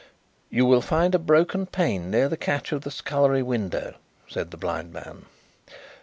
"You will find a broken pane near the catch of the scullery window," said the blind man.